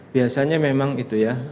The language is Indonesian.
biasanya memang gitu ya